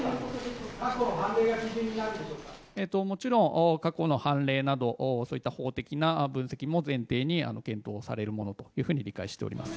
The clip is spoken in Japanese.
もちろん、過去の判例などそういった法的な分析も前提に検討されるものというふうに理解しております。